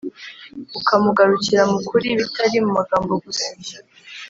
ukamugarukira mu ukuri bitari mu magambo gusa.